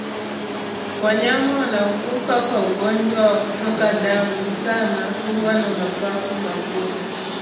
Wanyama wanaokufa kwa ugonjwa wakutoka damu sana huwa na mapafu magumu